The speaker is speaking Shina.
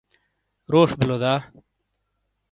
روش بِلو دا؟